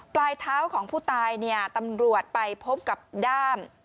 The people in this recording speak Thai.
ปลายเท้าของผู้ตายเนี่ยตำรวจไปพบกับด้าม